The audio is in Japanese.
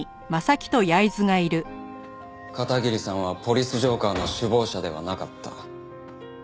片桐さんは「ポリス浄化ぁ」の首謀者ではなかった。